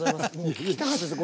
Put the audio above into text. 聞きたかったです。